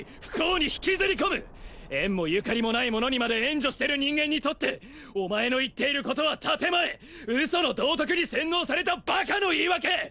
不幸に引きずり込む縁もゆかりもない者にまで援助してる人間にとってお前の言っていることは建て前ウソの道徳に洗脳されたバカの言い訳